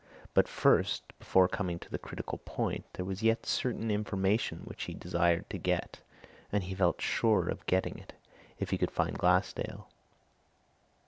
But first before coming to the critical point there was yet certain information which he desired to get, and he felt sure of getting it if he could find Glassdale.